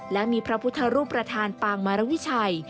และมีพระพุทธรูปประธานปางมารวิชัย